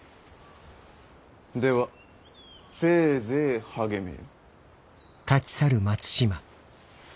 ではせいぜい励めよ。